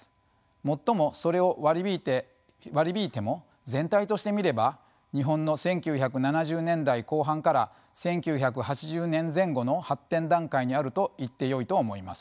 もっともそれを割り引いても全体として見れば日本の１９７０年代後半から１９８０年前後の発展段階にあると言ってよいと思います。